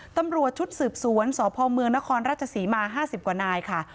ตำรวจชุดสืบสวนสพเมืองนครราชศรีมา๕๐กว่านายค่ะ